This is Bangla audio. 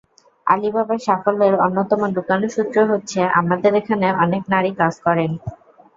আলিবাবার সাফল্যের অন্যতম লুকানো সূত্র হচ্ছে আমাদের এখানে অনেক নারী কাজ করেন।